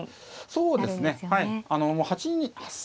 そうですか。